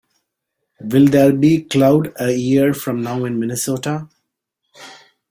Will there be cloud a year from now in Minnesota?